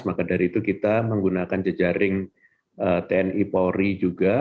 maka dari itu kita menggunakan jejaring tni polri juga